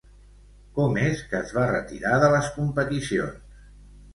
Com és que es va retirar de les competicions?